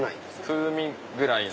風味ぐらいな。